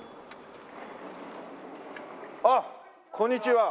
あっこんにちは。